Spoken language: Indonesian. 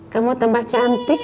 kamu tambah cantik